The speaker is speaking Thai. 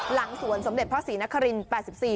หลังสวนสมเด็จพระศรีนคริน๘๔